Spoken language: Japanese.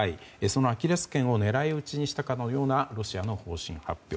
そのアキレス腱を狙い撃ちにしたかのようなロシアの方針発表。